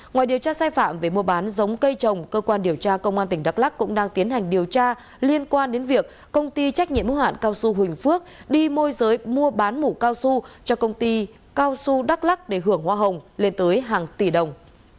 ngoài điều tra sai phạm về mua bán giống cây trồng cơ quan điều tra công an tỉnh đắk lắc cũng đang tiến hành điều tra liên quan đến việc công ty trách nhiệm hữu hạn cao su huỳnh phước đi môi giới mua bán mũ cao su cho công ty cao su đắk lắc để hưởng hoa hồng lên tới hàng tỷ đồng